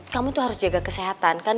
kamu tuh harus jaga kesehatan kan